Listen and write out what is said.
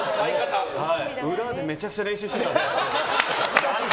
裏でめちゃめちゃ練習してたので。